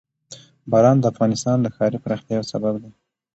باران د افغانستان د ښاري پراختیا یو سبب دی.